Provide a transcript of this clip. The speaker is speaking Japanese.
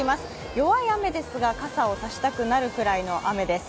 弱い雨ですが傘を差したくなるぐらいの雨です